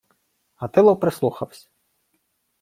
Гатило прислухавсь.